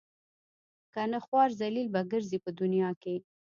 کنه خوار ذلیل به ګرځئ په دنیا کې.